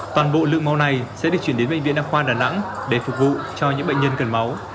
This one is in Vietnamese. toàn bộ lượng máu này sẽ được chuyển đến bệnh viện đa khoa đà nẵng để phục vụ cho những bệnh nhân cần máu